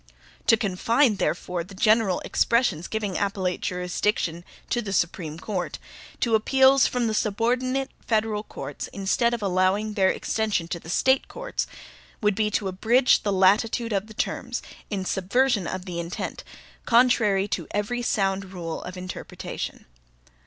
To confine, therefore, the general expressions giving appellate jurisdiction to the Supreme Court, to appeals from the subordinate federal courts, instead of allowing their extension to the State courts, would be to abridge the latitude of the terms, in subversion of the intent, contrary to every sound rule of interpretation.